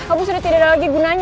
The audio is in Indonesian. abu sudah tidak ada lagi gunanya